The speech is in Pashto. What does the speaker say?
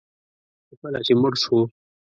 خو کله چې مړ شو